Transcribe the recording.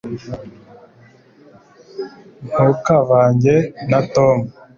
ntukavange na tom